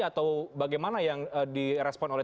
atau bagaimana yang direspon oleh